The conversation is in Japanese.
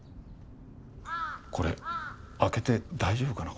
これ開けて大丈夫かな？